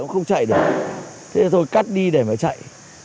tôi không chạy được thế thôi cắt đi để mà chạy